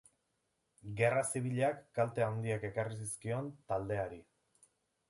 Gerra Zibilak kalte handiak ekarri zizkion taldeari.